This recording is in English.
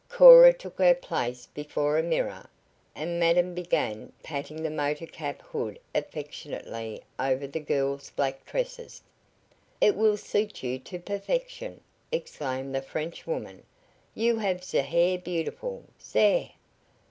Cora took her place before a mirror, and madam began patting the motor cap hood affectionately over the girl's black tresses. "It will suit you to perfection!" exclaimed the French woman. "You have ze hair beautiful. Zere!"